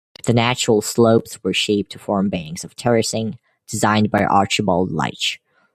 The natural slopes were shaped to form banks of terracing, designed by Archibald Leitch.